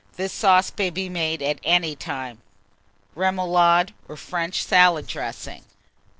This sauce may be made at any time. REMOULADE, or FRENCH SALAD DRESSING.